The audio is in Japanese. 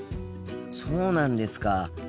そうなんですか。